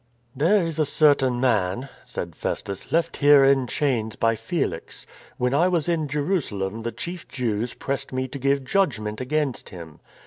311 312 STORM AND STRESS " There is a certain man," said Festus, " left here in chains by Felix. When I was in Jerusalem the chief Jews pressed me to give judgment against him.